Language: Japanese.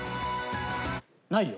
ないよ。